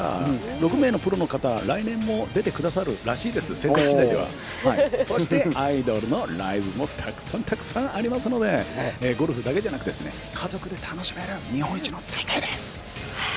６名のプロの方、来年も出てくださるらしいです、そして、アイドルのライブもたくさんたくさんありますのでゴルフだけじゃなくて家族で楽しめる日本一の大会です。